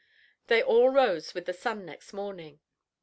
They all rose with the sun next morning.